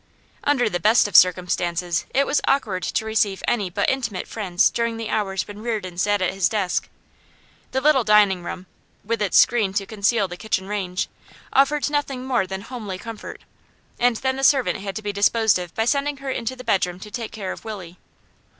Under the best of circumstances it was awkward to receive any but intimate friends during the hours when Reardon sat at his desk. The little dining room (with its screen to conceal the kitchen range) offered nothing more than homely comfort; and then the servant had to be disposed of by sending her into the bedroom to take care of Willie.